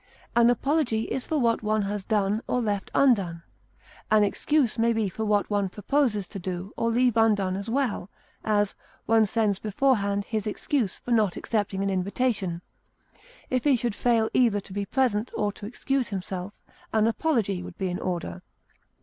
An apology is for what one has done or left undone; an excuse may be for what one proposes to do or leave undone as well; as, one sends beforehand his excuse for not accepting an invitation; if he should fail either to be present or to excuse himself, an apology would be in order.